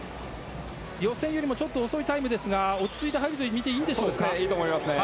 予選よりもちょっと遅いタイムですが落ち着いた入りとみていいでしょうか。